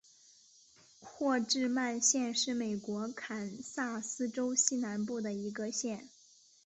霍治曼县是美国堪萨斯州西南部的一个县。